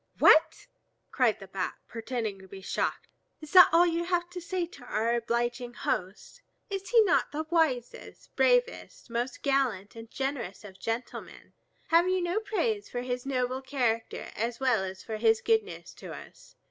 "What!" cried the Bat, pretending to be shocked. "Is that all you have to say to our obliging host? Is he not the wisest, bravest, most gallant and generous of gentlemen? Have you no praise for his noble character as well as for his goodness to us?